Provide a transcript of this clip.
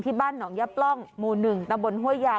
บ้านหนองยะปล้องหมู่๑ตำบลห้วยยาง